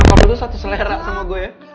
kamu tuh satu selera sama gue ya